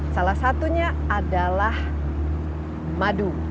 salah satunya adalah madu